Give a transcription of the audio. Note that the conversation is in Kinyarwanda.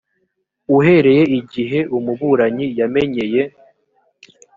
uhereye igihe umuburanyi yamenyeye